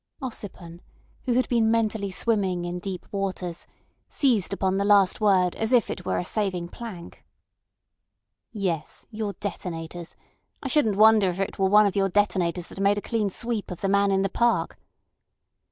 Ossipon, who had been mentally swimming in deep waters, seized upon the last word as if it were a saving plank. "Yes. Your detonators. I shouldn't wonder if it weren't one of your detonators that made a clean sweep of the man in the park."